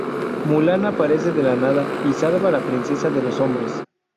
Mulan aparece de la nada y salva a la princesa de los hombres.